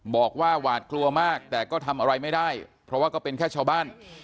บอกว่าหวาดกลัวมากแต่ก็ทำอะไรไม่ได้เพราะว่าก็เป็นแค่ชาวบ้าน